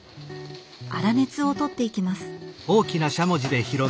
粗熱をとっていきます。